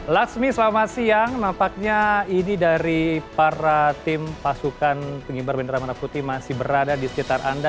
laksmi selamat siang nampaknya ini dari para tim pasukan pengibar bendera merah putih masih berada di sekitar anda